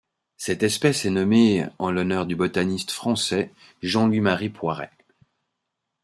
Cette espèce est nommée en l'honneur du botaniste français Jean-Louis Marie Poiret.